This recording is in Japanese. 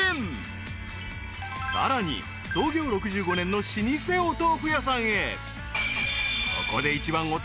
［さらに創業６５年の老舗お豆腐屋さんへ］